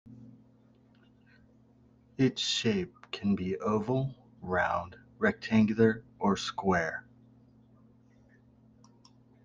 Its shape can be oval, round, rectangular, or square.